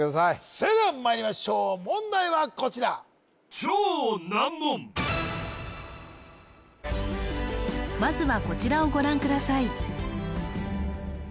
それではまいりましょう問題はこちらまずはこちらをご覧ください